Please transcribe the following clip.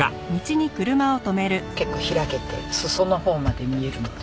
結構開けて裾の方まで見えるので。